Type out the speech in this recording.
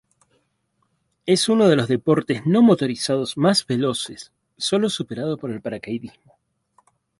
Es uno de los deportes no motorizados más veloces sólo superado por el paracaidismo.